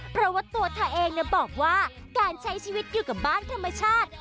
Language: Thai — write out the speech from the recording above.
เพราะว่าตัวเธอเองบอกว่าการใช้ชีวิตอยู่กับบ้านธรรมชาติ